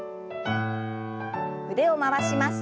腕を回します。